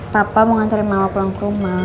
papa mau ngantri mama pulang ke rumah